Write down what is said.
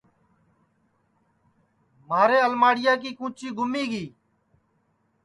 مھارے الماڑیا کی کُچی گُمی گی